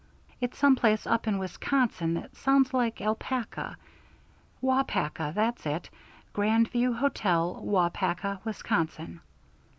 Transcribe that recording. "It's some place up in Wisconsin that sounds like alpaca. Waupaca that's it. Grand View Hotel, Waupaca, Wisconsin."